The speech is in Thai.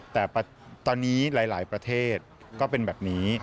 แต่ตอนนี้หลายประเทศก็เป็นแบบนี้